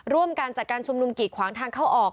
ร่วมกันจัดการชุมนุมกีดขวางทางเข้าออก